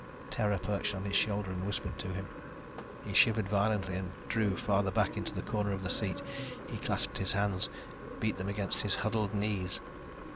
Terror perched on his shoulder and whispered to him. He shivered violently and drew farther back into the corner of the seat. He clasped his hands, beat them against his huddled knees.